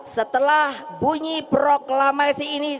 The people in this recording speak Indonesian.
setelah bunyi proklamasi ini